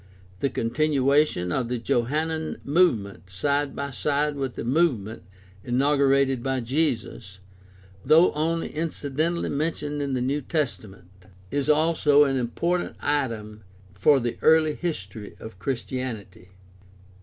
The continuation of the Johannine movement side by side with the movement inaugurated by Jesus, though only incidentally mentioned in the New Testament (Mark 2:18; John 3:22; 4:1 ff.; Acts 18:25; 19 ; 35 f.), is also an important item for the early history of Christianity.